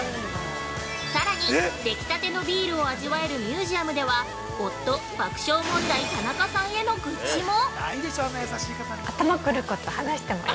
さらに、できたてのビールを味わえるミュージアムでは夫、爆笑田中さんへの愚痴も。